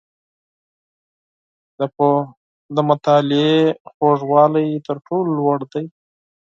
• د مطالعې خوږوالی، تر ټولو لوړ دی.